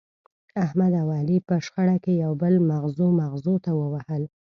احمد او علي په شخړه کې یو بل مغزو مغزو ته ووهل.